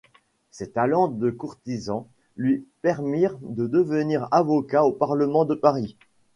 Ses talents de courtisans lui permirent de devenir avocat au parlement de Paris.